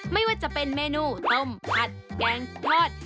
ไม่ว่าจะเป็นเมนูต้มผัดแกงทอด